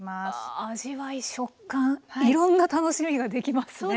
わあ味わい食感いろんな楽しみができますね。